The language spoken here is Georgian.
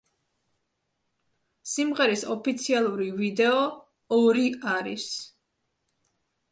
სიმღერის ოფიციალური ვიდეო ორი არის.